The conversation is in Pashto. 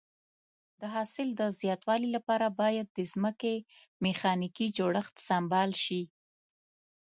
د حاصل د زیاتوالي لپاره باید د ځمکې میخانیکي جوړښت سمبال شي.